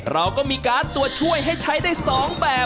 เราก็มีการ์ดตัวช่วยให้ใช้ได้๒แบบ